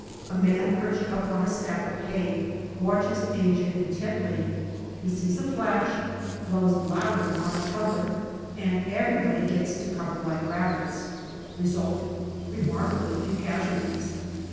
A man perched up on a stack of hay watches Asia intently. He sees a flash, blows loudly on a trumpet, and everybody gets to cover like rabbits. Result : remarkably few casualties.